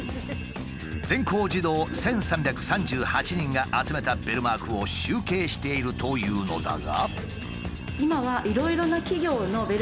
全校児童１，３３８人が集めたベルマークを集計しているというのだが。